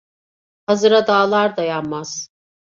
Hazıra dağlar dayanmaz.